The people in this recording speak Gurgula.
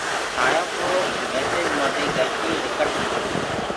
سآئينٚ يو ڪو ميسيج موندي گلتيو دي ڪٽ گو۔